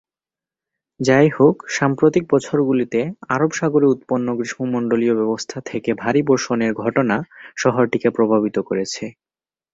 যাইহোক, সাম্প্রতিক বছরগুলিতে, আরব সাগরে উৎপন্ন গ্রীষ্মমণ্ডলীয় ব্যবস্থা থেকে ভারী বর্ষণের ঘটনা শহরটিকে প্রভাবিত করেছে।